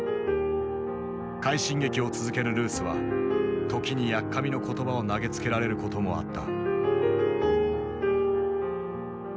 快進撃を続けるルースは時にやっかみの言葉を投げつけられることもあった。